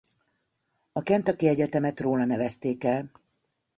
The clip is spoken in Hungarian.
A Kentucky Egyetemet róla nevezték el.